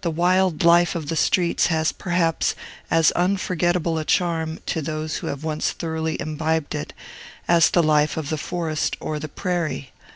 The wild life of the streets has perhaps as unforgetable a charm, to those who have once thoroughly imbibed it, as the life of the forest or the prairie.